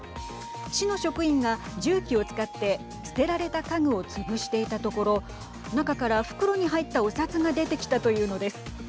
市の職員が重機を使って捨てられた家具をつぶしていたところ中から袋に入ったお札が出てきたというのです。